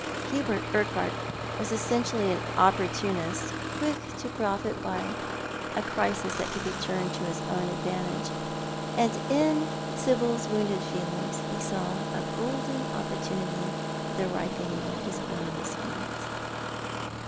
Hubert Urquhart was essentially au "Opportunist," quick to profit by a crisis that could be turned to his own advantage— and in Sibyl's wounded feelings he saw a golden opportunity for the ripening of his own schemes.